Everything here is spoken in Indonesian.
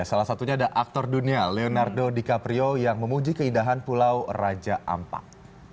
salah satunya ada aktor dunia leonardo dicaprio yang memuji keindahan pulau raja ampak